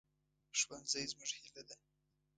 ښوونځی زموږ هیله ده